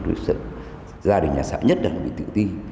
rồi sự gia đình nhà xã nhất là bị tự ti